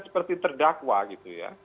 seperti terdakwa gitu ya